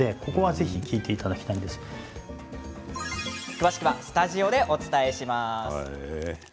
詳しくはスタジオでお伝えします。